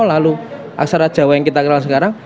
lalu aksara jawa yang kita kenal sekarang